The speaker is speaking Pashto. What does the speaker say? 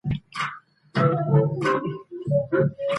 ده وویل چي زه غواړم د پښتو نړيواله ورځ ولمانځم.